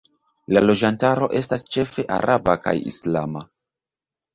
La loĝantaro estas ĉefe araba kaj islama.